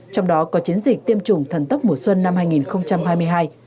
trong đó có chiến dịch tiêm chủng thần tốc mùa xuân năm hai nghìn hai mươi hai